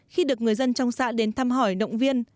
khi được người dân trong xã đến thăm hỏi động viên